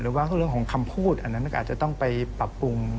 ว่าเรื่องของคำพูดอันนั้นก็อาจจะต้องไปปรับปรุง